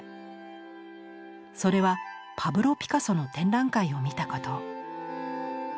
それはパブロ・ピカソの展覧会を見たこと。